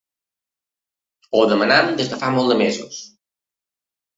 Ho demanem des de fa molts mesos.